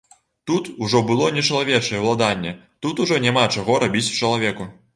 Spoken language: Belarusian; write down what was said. Тут ужо было не чалавечае ўладанне, тут ужо няма чаго рабіць чалавеку.